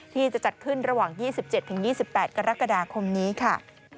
ที่จะจัดขึ้นระหว่าง๒๗๒๘กรกฎาคมนี้ค่ะ